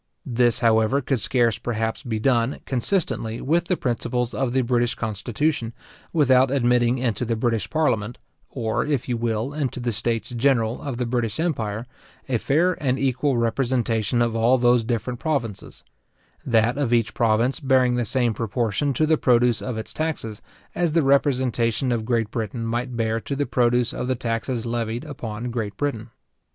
This, however, could scarce, perhaps, be done, consistently with the principles of the British constitution, without admitting into the British parliament, or, if you will, into the states general of the British empire, a fair and equal representation of all those different provinces; that of each province bearing the same proportion to the produce of its taxes, as the representation of Great Britain might bear to the produce of the taxes levied upon Great Britain.